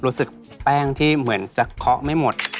รู้สึกแป้งที่เหมือนจะเคาะไม่หมด